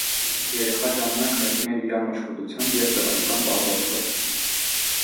Երեխա ժամանակ հայտնի էր իր ամաչկոտությամբ և տղայական պահվածքով։